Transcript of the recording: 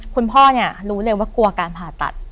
คุณพ่อเนี่ยรู้เลยว่ากลัวการผ่าตัด